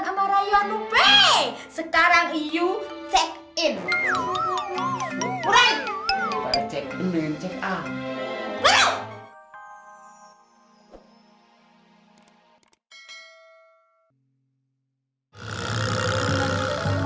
sama rayo anupe sekarang iu check in urai cek in cek in